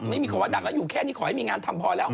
ไม่มีคำว่าดังแล้วอยู่แค่นี้ขอให้มีงานทำพอแล้ว